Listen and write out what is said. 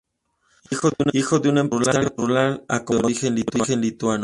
Hijo de un empresario rural acomodado, de origen lituano.